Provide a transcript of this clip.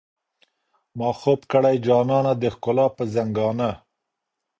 ما خوب كړئ جانانه د ښكلا پر ځـنـګانــه